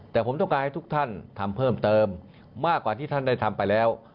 แต่ผมต้องการให้ทุกท่านทำเพิ่มเติมมากกว่าที่ท่านได้ทำไปแล้ว